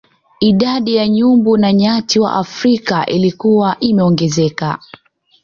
Idadi ya nyumbu na nyati wa Afrika ilikuwa imeongezeka